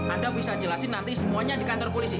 anda bisa jelasin nanti semuanya di kantor polisi